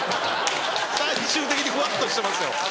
最終的にふわっとしてますよ。